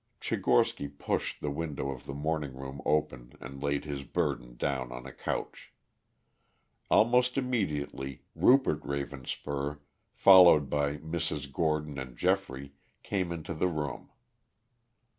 Tchigorsky pushed the window of the morning room open and laid his burden down on a couch. Almost immediately Rupert Ravenspur, followed by Mrs. Gordon and Geoffrey, came into the room.